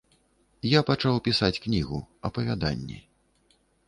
Я пачаў пісаць кнігу, апавяданні.